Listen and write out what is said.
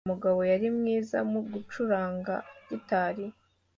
Uribuka ukuntu Mugabo yari mwiza mugucuranga gitari?